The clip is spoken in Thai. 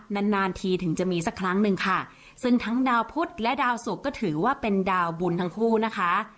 นานนานทีถึงจะมีสักครั้งหนึ่งค่ะซึ่งทั้งดาวพุทธและดาวสุกก็ถือว่าเป็นดาวบุญทั้งคู่นะคะ